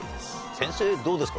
先生どうですか？